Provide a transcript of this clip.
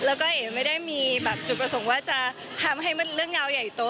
แล้วก็เอ๋ไม่ได้มีแบบจุดประสงค์ว่าจะทำให้มันเรื่องราวใหญ่โต